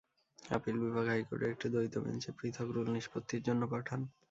Appeal বিভাগ হাইকোর্টের একটি দ্বৈত বেঞ্চে পৃথক রুল নিষ্পত্তির জন্য পাঠান।